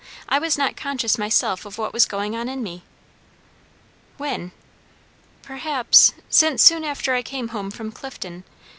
I was not conscious myself of what was going on in me." "When?" "Perhaps since soon after I came home from Clifton.